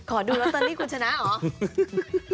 ขอดูรัตตาลีคุณชนะหรอ